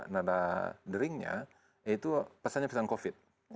nada deringnya itu pesannya pesan covid